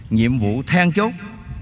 nhiệm vụ than chốt